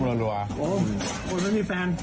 คนไม่มีแฟน